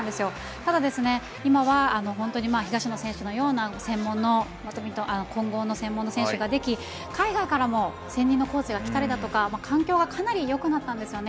ただ今は、本当に東野選手のような混合の専門の選手ができ海外からも専任のコーチだとか環境がかなり良くなったんですよね。